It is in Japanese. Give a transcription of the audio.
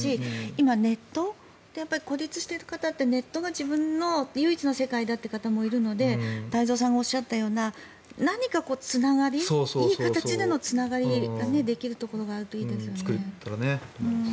今、ネット孤立している方ってネットが自分の唯一の世界だって方もいるので太蔵さんがおっしゃったような何かつながりいい形でのつながりができるところがあるといいですよね。